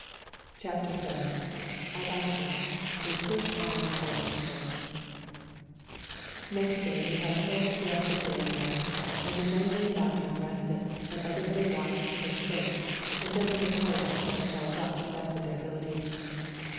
CHAPTER VII ELBASAN — WE PUSH ON TOWARDS THE COAST Next day we had a whole blessed day's rest, and the men lay about and rested, and everybody washed their shirts and generally polished themselves up to the best of their ability.